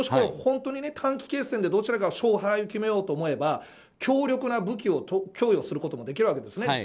本当に短期決戦で、どちらかが勝敗を決めようと思えば強力な武器を供与することもできるわけですね。